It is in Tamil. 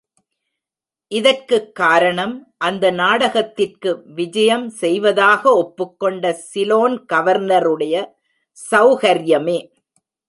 இதற்குக் காரணம், அந்த நாடகத்திற்கு விஜயம் செய்வதாக ஒப்புக்கொண்ட சிலோன் கவர்னருடைய சௌகர்யமே.